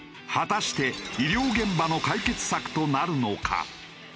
果たして医療現場の解決策となるのか？